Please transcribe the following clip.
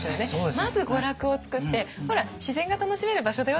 まず娯楽を作って「ほら自然が楽しめる場所だよ」